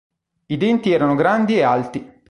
I denti erano grandi e alti.